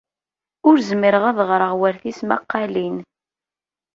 Ur zmireɣ ad ɣreɣ war tismaqqalin.